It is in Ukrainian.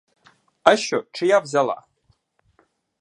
А що, чия взяла?